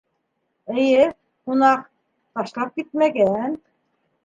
— Эйе, ҡунаҡ. ташлап китмәгән...